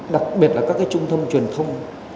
đặc biệt là các trung tâm truyền thông